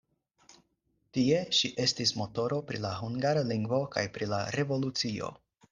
Tie ŝi estis motoro pri la hungara lingvo kaj pri la revolucio.